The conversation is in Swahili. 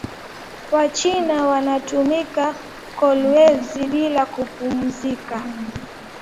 Wa china wanatumika kolwezi bila kupumuzika